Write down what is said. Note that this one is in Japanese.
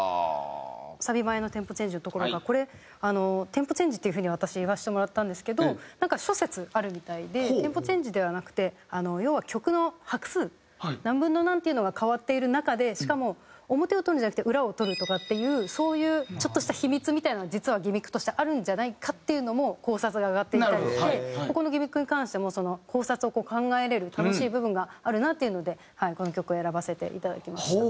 サビ前のテンポチェンジのところがこれテンポチェンジっていう風に私言わせてもらったんですけどなんか諸説あるみたいでテンポチェンジではなくて要は曲の拍数何分の何っていうのが変わっている中でしかも表を取るんじゃなくて裏を取るとかっていうそういうちょっとした秘密みたいなのが実はギミックとしてあるんじゃないかっていうのも考察が上がっていたりしてここのギミックに関しても考察を考えられる楽しい部分があるなっていうのでこの曲を選ばせていただきました。